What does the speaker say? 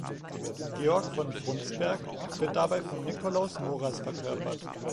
Georg von Frundsberg wird dabei von Nikolaus Moras verkörpert.